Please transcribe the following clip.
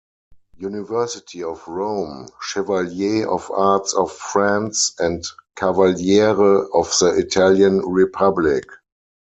University of Rome, Chevalier of Arts of France and Cavaliere of the Italian Republic.